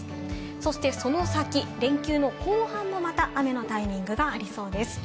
そしてその先、連休の後半もまた雨のタイミングがありそうです。